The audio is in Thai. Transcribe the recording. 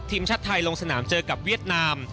ทีมชาติไทยลงสนามเจอกับเวียดนาม